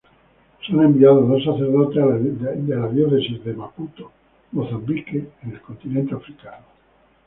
Son enviados dos sacerdotes de la diócesis a Maputo, Mozambique, en el continente africano.